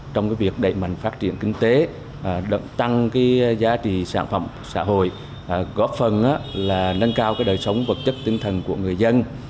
trong việc đẩy mạnh phát triển kinh tế tăng giá trị sản phẩm xã hội góp phần nâng cao đời sống vật chất tinh thần của người dân